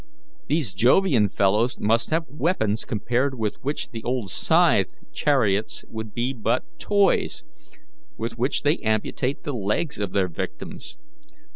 These Jovian fellows must have weapons compared with which the old scythe chariots would be but toys, with which they amputate the legs of their victims.